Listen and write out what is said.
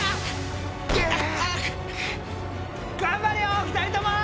頑張れよ２人とも！